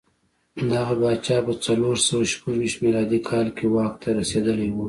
دغه پاچا په څلور سوه شپږ ویشت میلادي کال کې واک ته رسېدلی و